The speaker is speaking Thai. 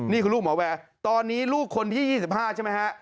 นี่คือลูกหมอแวร์ตอนนี้ลูกคนที่๒๕ใช่ไหมฮะ